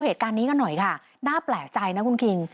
เหตุการณ์นี้กันหน่อยค่ะน่าแปลกใจนะคุณคิง